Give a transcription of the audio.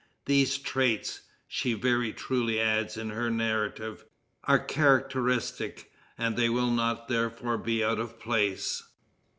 "These traits," she very truly adds in her narrative, "are characteristic, and they will not therefore be out of place."